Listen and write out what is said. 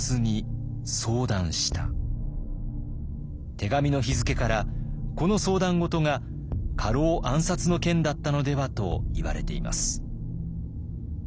手紙の日付からこの相談事が家老暗殺の件だったのではといわれています。